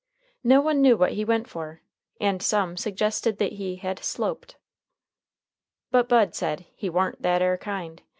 No one knew what he went for, and some suggested that he had "sloped." But Bud said "he warn't that air kind.